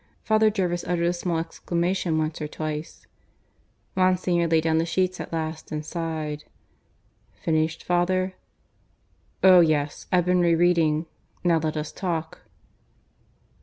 Father Jervis uttered a small exclamation once or twice. Monsignor laid down the sheets at last and sighed. "Finished, father?" "Oh, yes! I've been re reading. Now let us talk."